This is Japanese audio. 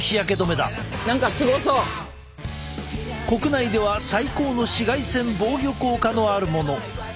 国内では最高の紫外線防御効果のあるもの。